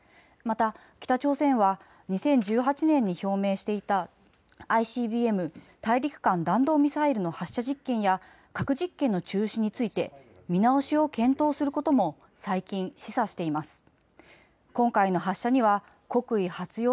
また北朝鮮は２０１８年に表明していたＩＣＢＭ・大陸間弾道ミサイルの発射実験や核実験の中止について見直しを検討することも最近示唆しています。